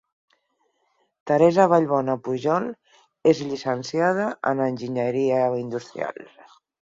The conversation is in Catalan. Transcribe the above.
Teresa Vallbona Pujol és llicenciada en Enginyeria industrial.